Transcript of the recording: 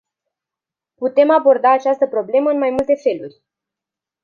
Putem aborda această problemă în mai multe feluri.